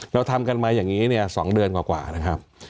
แล้วทำกันมาอย่างนี้เนี่ย๒เดือนกว่านะครับ